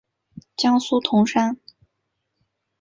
江苏铜山。